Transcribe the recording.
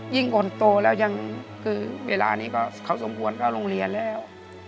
คนโตแล้วยังคือเวลานี้ก็เขาสมควรเข้าโรงเรียนแล้ว